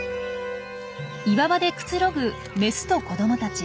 岩場でくつろぐメスと子どもたち。